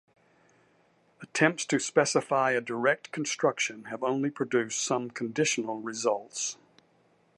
Attempts to specify a direct construction have only produced some conditional results.